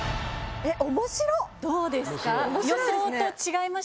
どうですか？